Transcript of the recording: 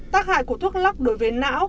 tác hại của thuốc lóc đối với não